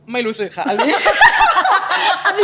ไม่รู้สึกค่ะ